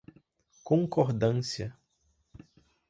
concordância